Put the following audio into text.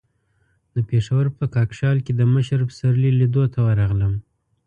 د پېښور په کاکشال کې د مشر پسرلي لیدو ته ورغلم.